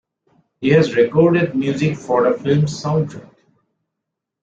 He has recorded music for the film's soundtrack.